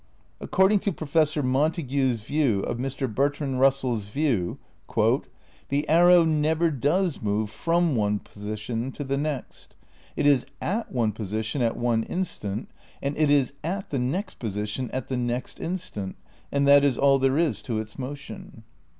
According to Professor Montague's view of Mr. Bertrand Russell's view "The arrow never does move from one position to the next. It is at one position at one instant and it is at the 'next' position at the 'next' instant and that is all there is to its motion."